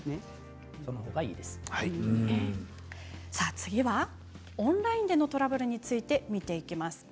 次はオンラインでのトラブルについて見ていきます。